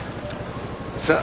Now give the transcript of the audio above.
さあ